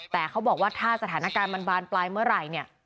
แต่เขาบอกว่าถ้าสถานการณ์มันบานปลายเมื่อไหร่เนี่ย